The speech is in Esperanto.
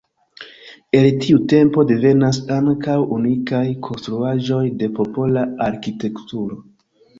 El tiu tempo devenas ankaŭ unikaj konstruaĵoj de popola arkitekturo.